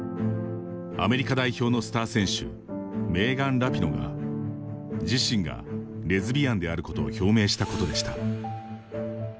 アメリカ代表のスター選手メーガン・ラピノが自身がレズビアンであること表明したことでした。